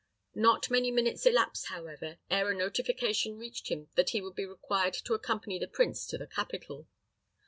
Not many minutes elapsed, however, ere a notification reached him that he would be required to accompany the prince to the capital.